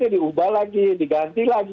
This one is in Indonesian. diubah lagi diganti lagi